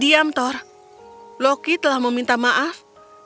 diam thor loki telah meminta maaf